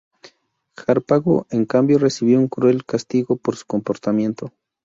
Harpago, en cambio, recibió un cruel castigo por su comportamiento.